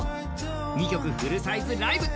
２曲フルサイズライブ。